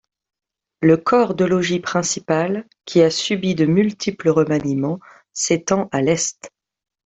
Le corps de logis principal, qui a subi de multiples remaniements, s'étend à l'est.